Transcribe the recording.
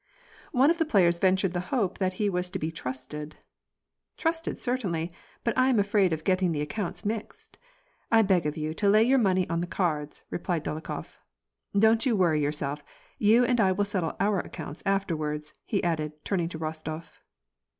One of the players ventured the hope that he was to be trusted. " Trusted, certainly, but I am afraid of getting the accounts mixed. I beg of you to lay your money on the cards," re plied Dolokhof. " Don't you worry yourself, you and I will settle our accounts afterwards," he added, turning to Bostof.